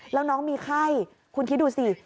แล้วน้องมีไข้คุณคิดดูสิ